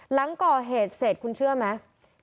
หลังก่อเหตุเสร็จคุณเชื่อไหม